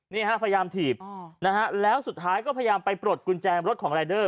นี่ฮะพยายามถีบนะฮะแล้วสุดท้ายก็พยายามไปปลดกุญแจรถของรายเดอร์